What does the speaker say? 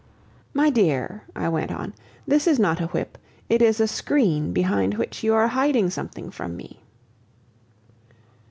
"My dear," I went on, "this is not a whip; it is a screen behind which you are hiding something from me."